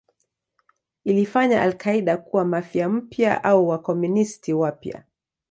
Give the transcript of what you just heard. Ilifanya al-Qaeda kuwa Mafia mpya au Wakomunisti wapya.